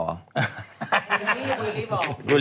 รู้รีบบอก